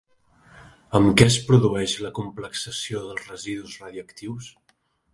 Amb què es produeix la complexació dels residus radioactius?